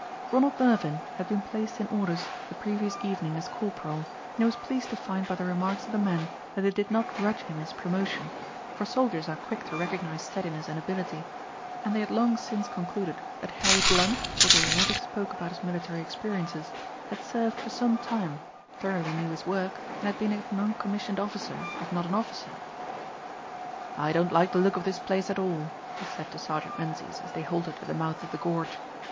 Ronald Mervyn had been placed in orders the previous evening as corporal, and he was pleased to find by the remarks of the men that they did not grudge him his promotion, for soldiers are quick to recognise steadiness and ability, and they had long since concluded that Harry Blunt, although he never spoke about his military experiences, had served for some time, thoroughly knew his work, and had been a non commissioned officer, if not an officer. "I don't like the look of this place at all," he said to Sergeant Menzies as they halted at the mouth of the gorge.